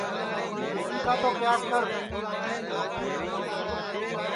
کِس کا تو کیاس کر